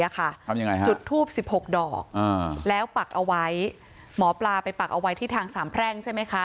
จุดทูบ๑๖ดอกแล้วปักเอาไว้หมอปลาไปปักเอาไว้ที่ทางสามแพร่งใช่ไหมคะ